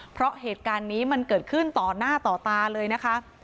เพราะเหตุการณ์นี้มันเกิดขึ้นต่อหน้าต่อตาเลยนะคะ